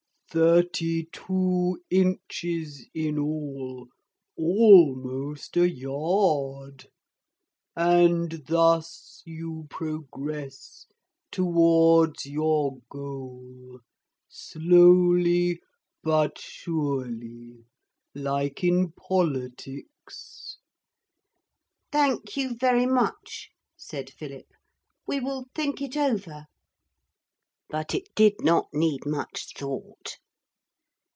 Thirty two inches in all, almost a yard. And thus you progress towards your goal, slowly but surely, like in politics.' 'Thank you very much,' said Philip; 'we will think it over.' But it did not need much thought.